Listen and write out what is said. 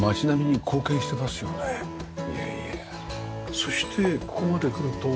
そしてここまで来ると三角が。